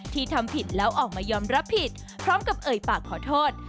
ทำผิดแล้วออกมายอมรับผิดพร้อมกับเอ่ยปากขอโทษ